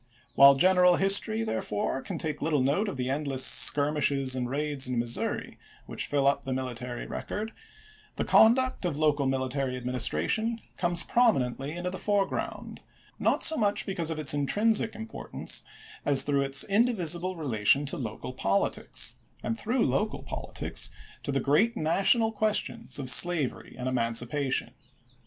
While gen eral history, therefore, can take little note of the endless skirmishes and raids in Missouri which fill up the military record, the conduct of local mili tary administration comes prominently into the foreground, not so much because of its intrinsic importance as through its indivisible relation to local politics, and through local politics to the great national questions of slavery and emancipa tion.